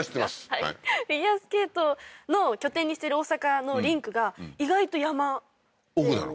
はいフィギュアスケートの拠点にしてる大阪のリンクが意外と山奥なの？